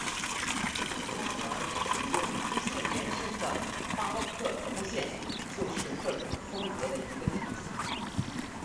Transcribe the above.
花园使用无限延伸的巴洛克轴线就是这种风格的一个例子。